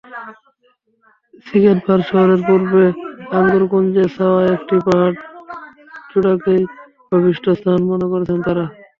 Szigetvár শহরের পূর্বে আঙুরকুঞ্জে ছাওয়া একটি পাহাড়চূড়াকেই অভীষ্ট স্থান মনে করছেন তাঁরা।